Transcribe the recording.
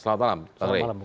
selamat malam bapak menteri